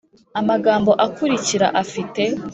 Amagambo akurikira afite